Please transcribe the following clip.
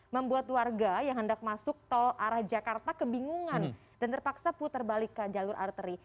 membuat warga yang hendak masuk tol arah jakarta kebingungan dan terpaksa putar balik ke jalur arteri